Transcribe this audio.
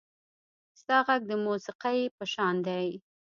• ستا غږ د موسیقۍ په شان دی.